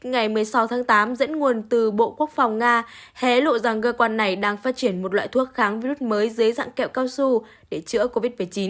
ngày một mươi sáu tháng tám dẫn nguồn từ bộ quốc phòng nga hé lộ rằng cơ quan này đang phát triển một loại thuốc kháng virus mới dưới dạng kẹo cao su để chữa covid một mươi chín